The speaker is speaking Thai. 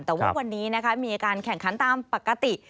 แต่ว่าวันนี้นะคะมีการแข่งขันตามปกติ